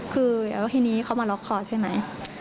คือแล้วทีนี้เขามาล็อกคอใช่ไหม